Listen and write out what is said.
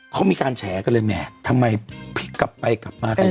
เขามีการแฉกันเลยแหมทำไมพลิกกลับไปกลับมากันเยอะ